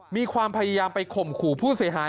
มีความพยายามไปข่มขู่ผู้เสียหาย